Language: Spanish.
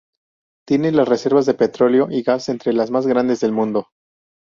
Tiene las reservas de petróleo y gas entre las más grandes del mundo.